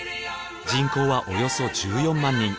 人口はおよそ１４万人。